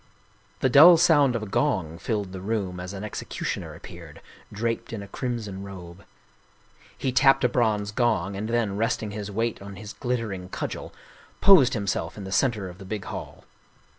The dull sound of a gong filled the room as an execu tioner appeared, draped in a crimson robe. He tapped a bronze gong, and then, resting his weight on his glittering cudgel, posed himself in the center of the big hall.